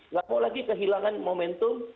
nggak mau lagi kehilangan momentum